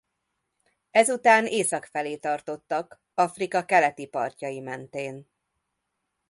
Ezután észak felé tartottak Afrika keleti partjai mentén.